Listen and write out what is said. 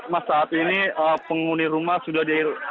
mas saat ini penghuni rumah sudah di